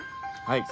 はい。